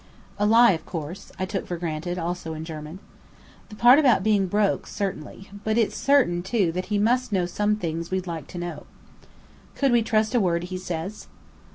"A lie of course," I took for granted, also in German. "The part about being broke certainly. But it's certain, too, that he must know some things we'd like to know." "Could we trust a word he says?"